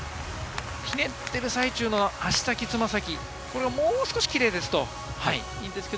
ひねっている際中の足先、つま先、もう少しキレイですと、いいんですが。